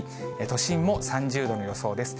都心も３０度の予想です。